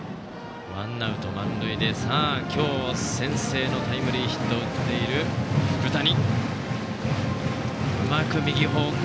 ワンアウト満塁でさあ、今日、先制のタイムリーヒットを打った福谷。